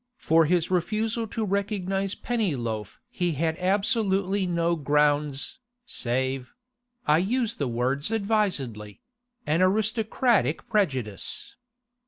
For his refusal to recognise Pennyloaf he had absolutely no grounds, save—I use the words advisedly—an aristocratic prejudice.